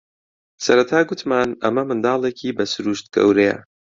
سەرەتا گوتمان ئەمە منداڵێکی بە سرووشت گەورەیە